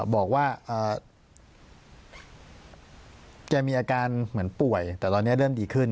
บอกว่าแกมีอาการเหมือนป่วยแต่ตอนนี้เริ่มดีขึ้น